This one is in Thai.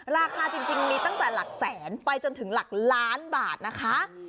ราคาจริงมีตั้งแต่หลักแสนไปจนถึงหลักล้านบาทนะคะ